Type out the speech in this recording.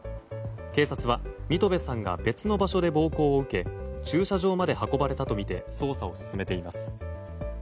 警察は三戸部さんが別の場所で暴行を受け駐車場まで運ばれたとみて捜査を進めています。